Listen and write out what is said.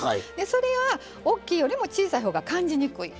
それはおっきいよりも小さいほうが感じにくい。